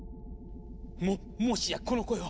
ももしやこの声は。